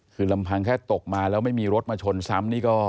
คือลำพังแค่ตกมาแล้วไม่มีรถมาชนซ้ำนี่ก็